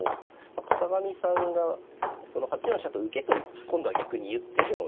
片上さんが８四飛車と浮けと今度は逆に言ってるので。